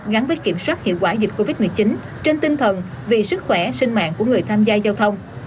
gắn với kiểm soát hiệu quả dịch covid một mươi chín trên tinh thần vì sức khỏe sinh mạng của người tham gia giao thông